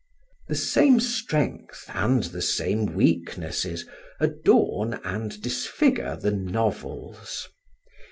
The same strength and the same weaknesses adorn and disfigure the novels.